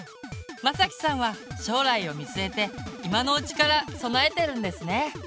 まさきさんは将来を見据えて今のうちから備えてるんですね。